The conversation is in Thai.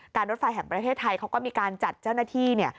รถไฟแห่งประเทศไทยเขาก็มีการจัดเจ้าหน้าที่เนี่ย